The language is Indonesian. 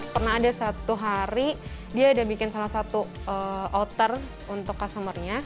pernah ada satu hari dia ada bikin salah satu outer untuk customer nya